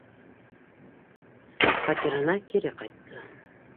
Фатирына кире ҡайтты.